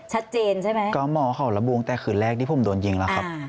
ชัดเจนใช่ไหมก็หมอเขาระบวงแต่คืนแรกที่ผมโดนยิงแล้วครับ